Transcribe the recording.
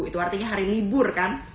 itu artinya hari libur kan